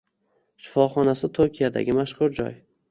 shifoxonasi Tokiodagi mashhur joy